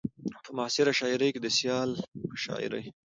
په معاصره شاعرۍ کې د سيال په شاعرۍ